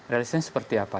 realistisnya seperti apa